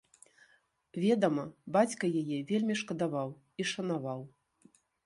Ведама, бацька яе вельмі шкадаваў і шанаваў.